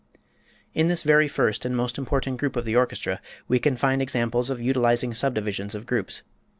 In this very first and most important group of the orchestra we can find examples of utilizing subdivisions of groups.